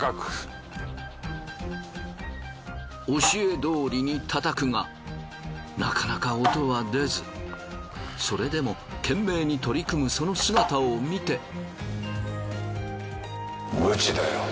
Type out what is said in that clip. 教えどおりに叩くがなかなか音は出ずそれでも懸命に取り組むその姿を見て。